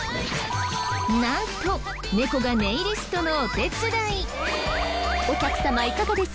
なんと猫がネイリストのお手伝い！